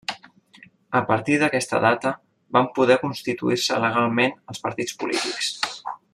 A partir d'aquesta data, van poder constituir-se legalment els partits polítics.